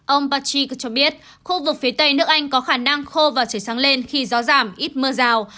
ông patri cho biết khu vực phía tây nước anh có khả năng khô và trời sáng lên khi gió giảm ít mưa rào